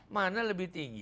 mana lebih tinggi